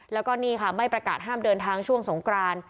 แล้วก็นี่ค่ะไม่ประกาศห้ามเดินทางช่วงสงกราน